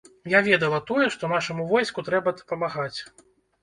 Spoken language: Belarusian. Я ведала тое, што нашаму войску трэба дапамагаць.